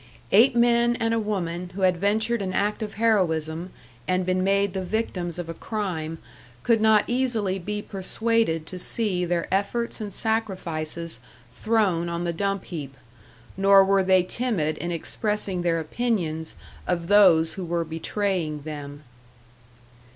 Eight men and a woman who had ventured an act of heroism and been made the victims of a crime could not easily be persuaded to see their efforts and sacrifices thrown on the dump heap, nor were they timid in expressing their opinions of those who were betraying them.